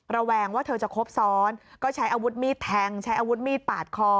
ระแวงว่าเธอจะครบซ้อนก็ใช้อาวุธมีดแทงใช้อาวุธมีดปาดคอ